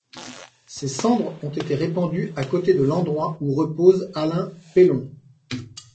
Ses cendres ont été répandues à côté de l’endroit où repose Alan Pelhon.